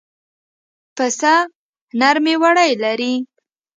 پسه نرمې وړۍ لري.